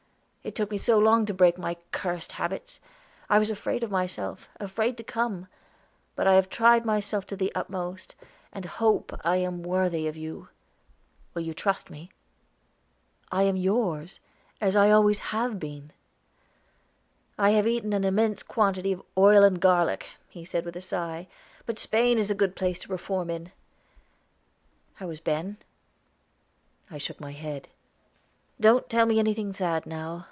It took me so long to break my cursed habits. I was afraid of myself, afraid to come; but I have tried myself to the utmost, and hope I am worthy of you. Will you trust me?" "I am yours, as I always have been." "I have eaten an immense quantity of oil and garlic," he said with a sigh. "But Spain is a good place to reform in. How is Ben?" I shook my head. "Don't tell me anything sad now.